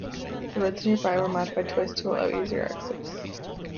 The roads nearby were modified twice to allow easier access.